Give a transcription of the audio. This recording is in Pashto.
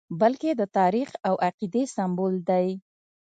بلکې د تاریخ او عقیدې سمبول دی.